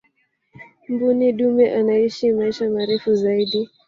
mbuni dume anaishi maisha marefu zaidi